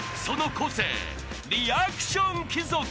その個性リアクション貴族］